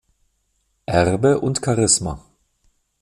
Erbe und Charisma".